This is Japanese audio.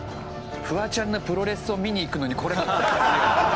フワちゃんのプロレスを見にいくのにこれ乗ったんですよ。